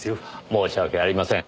申し訳ありません。